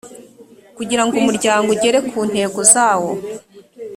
kugira ngo umuryango uigere ku ntego zawo